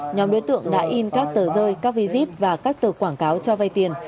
nhóm đối tượng đã in các tờ rơi các visit và các tờ quảng cáo cho vay tiền